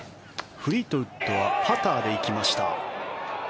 フリートウッドはパターで行きました。